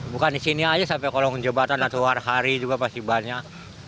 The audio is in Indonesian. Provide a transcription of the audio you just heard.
bukan di sini aja sampai kalau kejabatan atau hari hari juga pasti banyak